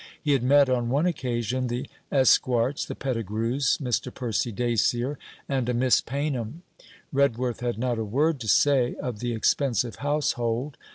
He had met on one occasion the Esquarts, the Pettigrews, Mr. Percy Dacier, and a Miss Paynham. Redworth had not a word to say of the expensive household.